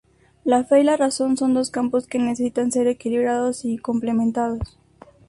La fe y la razón son dos campos que necesitan ser equilibrados y complementados.